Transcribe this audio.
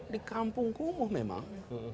di kampung kumuh memang